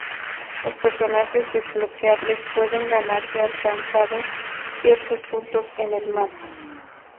Los personajes desbloqueables pueden ganarse alcanzando ciertos puntos en el mapa.